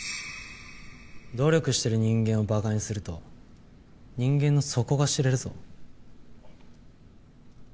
努力してる人間をバカにすると人間の底が知れるぞ。